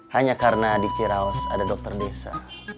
hanya karena di viral ada dokter desa